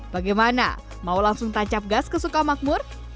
bagaimana mau langsung tancap gas ke sukamakmur